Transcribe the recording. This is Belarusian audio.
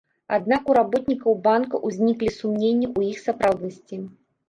Аднак у работнікаў банка ўзніклі сумненні ў іх сапраўднасці.